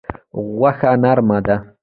غوښه نرمه ده.